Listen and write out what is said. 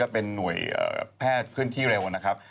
เป็นหน่วยแพทย์เพื่อนที่เร็ว